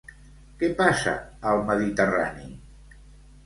Què passa al Mediterrani?